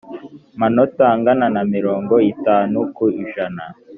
manota angana na mirongo itanu ku ijana